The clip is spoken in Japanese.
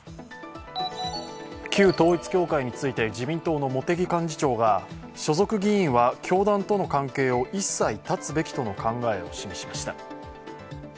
旧統一教会について自民党の茂木幹事長が所属議員は教団との関係を一切断つべきとの考えを示しました。